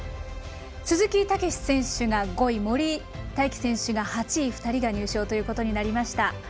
鈴木猛史選手が５位森井大輝選手が８位２人が入賞ということになりました。